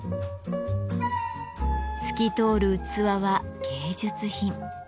透き通る器は芸術品。